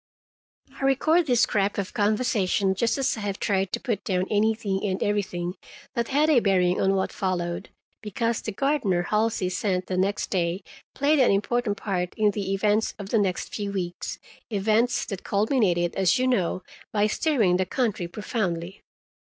I record this scrap of conversation, just as I have tried to put down anything and everything that had a bearing on what followed, because the gardener Halsey sent the next day played an important part in the events of the next few weeks—events that culminated, as you know, by stirring the country profoundly.